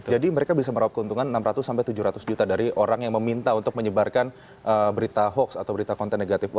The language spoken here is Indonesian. jadi mereka bisa merawap keuntungan enam ratus sampai tujuh ratus juta dari orang yang meminta untuk menyebarkan berita hoax atau berita konten negatif